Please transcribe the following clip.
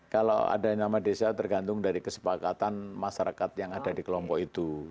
kalau ada nama desa tergantung dari kesepakatan masyarakat yang ada di kelompok itu